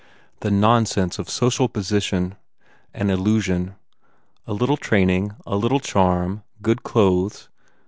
The nonsense of social position! An illusion. A little training, a little charm, good clothes.